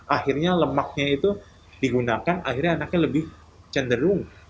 akhirnya lemaknya itu digunakan akhirnya anaknya lebih cenderung